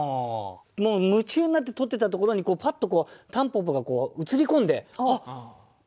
もう夢中になって撮ってたところにパッと蒲公英が写り込んで「あっ蒲公英！